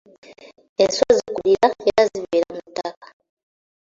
Enswa zikulira era zibeera mu ttaka.